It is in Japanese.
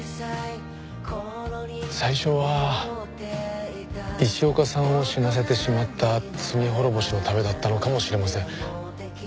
最初は石岡さんを死なせてしまった罪滅ぼしのためだったのかもしれません。